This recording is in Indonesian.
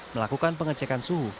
melakukan pengecekan suhu